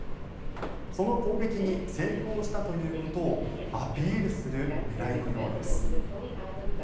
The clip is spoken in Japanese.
その攻撃に成功したということをアピールする狙いのようです。